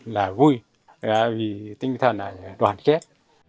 là vui vì tinh thần là đoàn kết